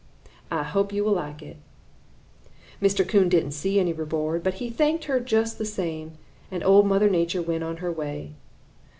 I hope you will like it.' "Mr. Coon didn't see any reward, but he thanked her just the same, and Old Mother Nature went on her way.